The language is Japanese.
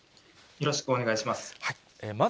よろしくお願いします。